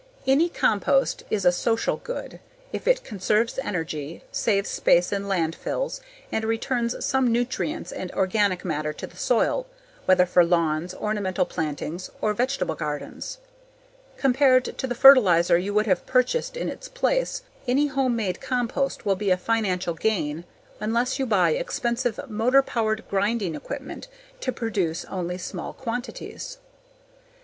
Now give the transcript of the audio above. Any compost is a "social good" if it conserves energy, saves space in landfills and returns some nutrients and organic matter to the soil, whether for lawns, ornamental plantings, or vegetable gardens. Compared to the fertilizer you would have purchased in its place, any homemade compost will be a financial gain unless you buy expensive motor powered grinding equipment to produce only small quantities.